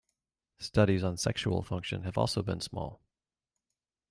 Studies on sexual function have also been small.